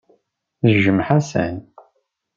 Tejjem Ḥasan.